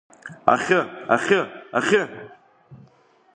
Ахьы, ахьы, ахьы!